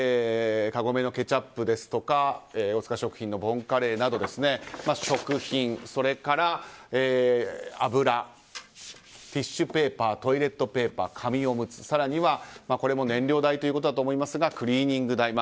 カゴメのケチャップですとか大塚食品のボンカレーなど食品、それから油ティッシュペーパートイレットペーパー紙おむつ、更にはこれも燃料代ということだと思いますがクリーニング代。